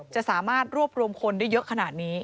จะสามารถรวบรวมคนได้เยอะขนาดนี้